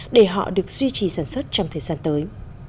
để họ được duy trì sản xuất trong thời gian tới